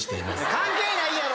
関係ないやろ！